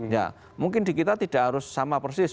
ya mungkin di kita tidak harus sama persis